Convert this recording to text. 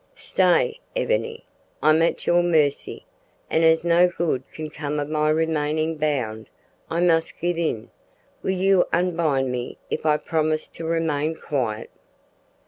"Stay, Ebony, I'm at your mercy, and as no good can come of my remaining bound, I must give in. Will you unbind me if I promise to remain quiet?"